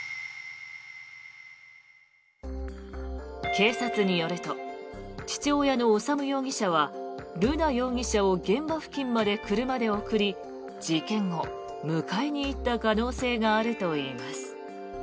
警察によると、父親の修容疑者は瑠奈容疑者を現場付近まで車で送り事件後、迎えに行った可能性があるといいます。